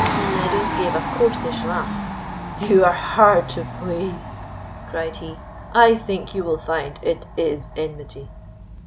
Meadows gave a coarsish laugh. "You are hard to please," cried he. "I think you will find it is enmity."